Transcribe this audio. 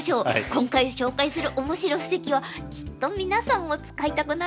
今回紹介するオモシロ布石はきっと皆さんも使いたくなるはずですよ。